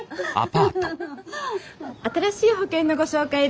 新しい保険のご紹介です。